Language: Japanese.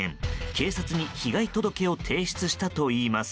警察に被害届を提出したといいます。